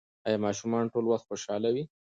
ایا ماشومان ټول وخت خوشحاله وي؟